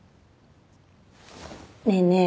ねえねえ